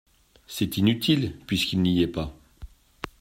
C’est inutile… puisqu’il n’y est pas !